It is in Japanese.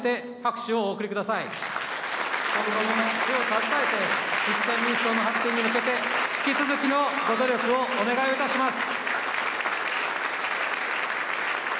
手を携えて、立憲民主党の発展に向けて引き続きのご努力をお願いをいたします。